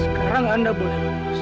sekarang anda boleh lulus